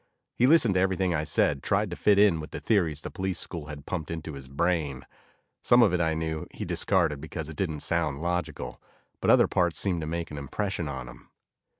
He listened to everything I said, tried to fit it in with the theories the police school had pumped into his brain. Some of it, I knew, he discarded because it didn't sound logical, but other parts seemed to make an impression on him.